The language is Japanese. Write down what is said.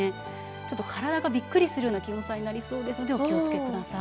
ちょっと体がびっくりするような気温差になりそうですのでお気を付けください。